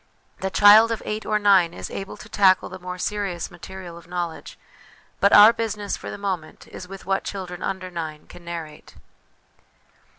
The child of eight or nine is able to tackle the more serious material of knowledge ; but our business for the moment is with what children under nine can narrate.